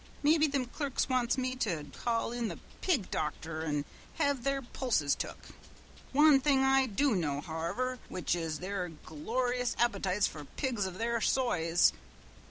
Mebby thim clerks wants me to call in the pig docther an' have their pulses took. Wan thing I do know, howiver, which is they've glorious appytites for pigs of their soize.